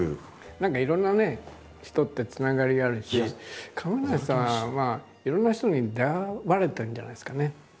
何かいろんなね人ってつながりがあるし亀梨さんはいろんな人に出会われてるんじゃないですかね。